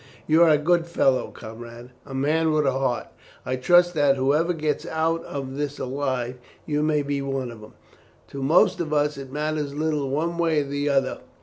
"You are a good fellow, comrade a man with a heart. I trust that, whoever gets out of this alive, you may be one of them. To most of us it matters little one way or the other.